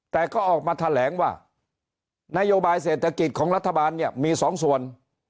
แต่ก็ออกมาแถลงว่านโยบายเศรษฐกิจของรัฐบาลเนี่ยมีสองส่วน